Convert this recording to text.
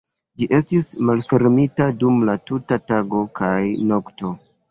Ĝi estis malfermita dum la tuta tago kaj nokto.